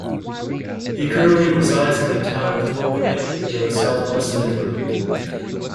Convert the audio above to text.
He currently resides in the town of Torquay in the south west of England.